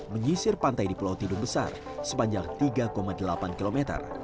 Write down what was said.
menyisir pantai di pulau tidung besar sepanjang tiga delapan km